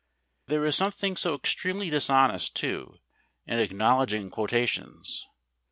There is something so extremely dishonest, too, in acknowledging quotations.